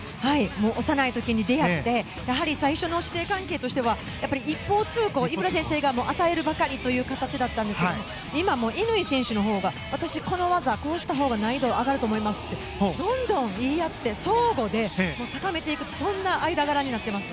幼い時に出会ってやはり最初の師弟関係としては一方通行井村先生が与えるばかりでしたが今もう乾選手のほうが私この技、こうしたほうが難易度が上がると思いますってどんどん言い合って相互で高め合っている間柄です。